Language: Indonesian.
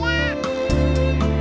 sampai ncus datang